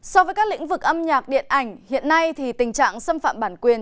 so với các lĩnh vực âm nhạc điện ảnh hiện nay thì tình trạng xâm phạm bản quyền